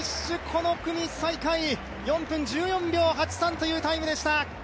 この組最下位、４分１４秒８３というタイムでした。